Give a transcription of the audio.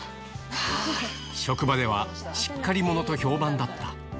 職場では、しっかり者と評判だった。